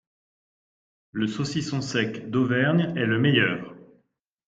Le saucisson sec d'Auvergne est le meilleur